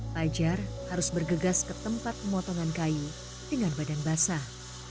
pajar harus bergegas ke tempat pemotongan kayu dengan badan basah